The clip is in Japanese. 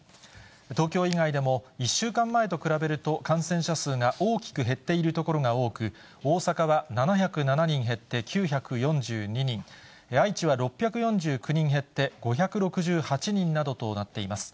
東京以外でも１週間前と比べると感染者数が大きく減っている所が多く、大阪は７０７人減って９４２人、愛知は６４９人減って５６８人などとなっています。